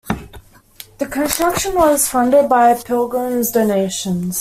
The construction was funded by pilgrims' donations.